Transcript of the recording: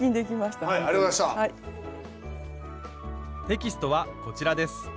テキストはこちらです。